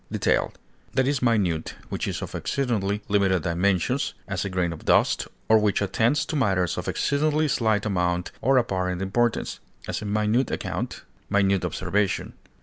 detailed, That is minute which is of exceedingly limited dimensions, as a grain of dust, or which attends to matters of exceedingly slight amount or apparent importance; as, a minute account; minute observation.